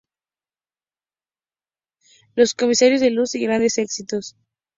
Los comisarios de "Luz" y "Grandes Éxitos.